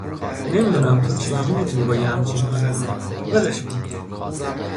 نمی دونم تو چه جوری می تونی با یه همچین آدمی، ولش کن